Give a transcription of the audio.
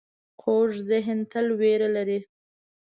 کوږ ذهن تل وېره لري